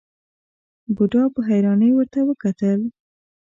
بوډا په حيرانۍ ورته وکتل.